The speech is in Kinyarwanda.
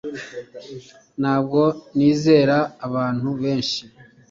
Ntabwo nizera abantu benshi